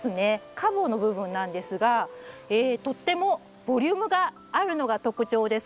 花房の部分なんですがとってもボリュームがあるのが特徴です。